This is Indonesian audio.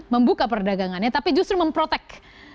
membuka perdagangannya tapi justru memprotek